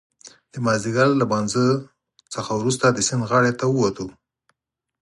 د مازدیګر له لمانځه څخه وروسته د سیند غاړې ته ووتلو.